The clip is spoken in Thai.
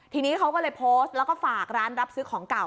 ทีนี้เขาก็เลยโพสต์แล้วก็ฝากร้านรับซื้อของเก่า